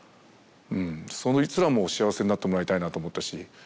そいつらも幸せになってもらいたいなと思ったし。